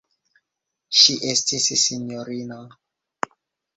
Ŝi estis sinjorino.